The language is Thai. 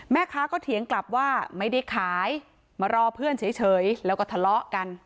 แม่ค้าก็เถียงกลับว่าไม่ได้ขายมารอเพื่อนเฉยแล้วก็ทะเลาะกัน